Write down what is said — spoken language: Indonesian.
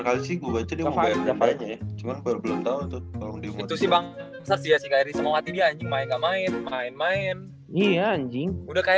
anjing udah kayak udah kayak main di komunitas nggak dibayar anjing